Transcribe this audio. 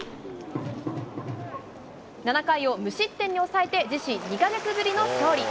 ７回を無失点に抑えて、自身２か月ぶりの勝利。